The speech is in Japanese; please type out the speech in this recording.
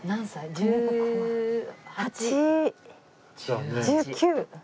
１８１９。